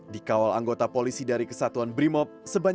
di kawal anggota polisi dari kesatuan brimop